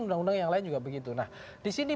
undang undang yang lain juga begitu nah disini